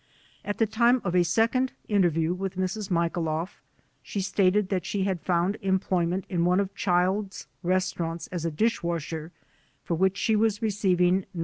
At the time of a second interview with Mrs. Michailoflf, she stated that she had found employment in one of Childs' restaurants as a dishwasher, for which she was receiving $9.